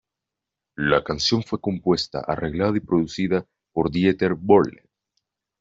La canción fue compuesta, arreglada y producida por Dieter Bohlen.